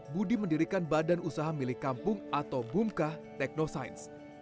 budi mendirikan badan usaha milik kampung atau bumka teknosains